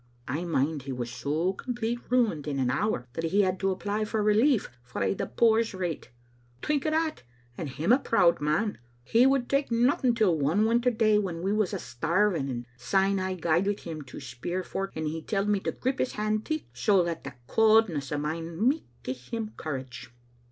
' I mind he was so complete ruined in an hour that he had to apply for relief frae the poor's rates. Think o* that, and him a proud man. He would tak' nothing till one winter day when we was a* starving, and syne I gaed wi* him to speir for't, and he telled me to grip his hand ticht, so that the cauldness o' mine micht gie him courage.